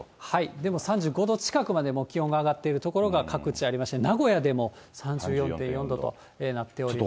でも３５度近くまで気温が上がっている所が各地ありまして、名古屋でも３４．４度となっております。